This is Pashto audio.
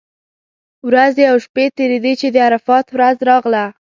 ورځې او شپې تېرېدې چې د عرفات ورځ راغله.